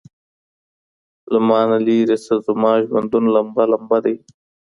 له مانه ليري سه زما ژوندون لمبه ،لمبه دی